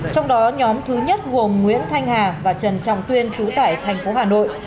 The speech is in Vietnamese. trong đó nhóm thứ nhất gồm nguyễn thanh hà và trần trọng tuyên chú tải thành phố hà nội